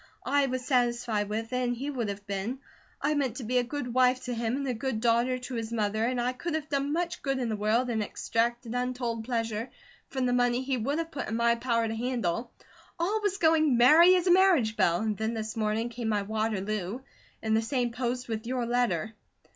I was satisfied with it, and he would have been. I meant to be a good wife to him and a good daughter to his mother, and I could have done much good in the world and extracted untold pleasure from the money he would have put in my power to handle. All was going 'merry as a marriage bell,' and then this morning came my Waterloo, in the same post with your letter."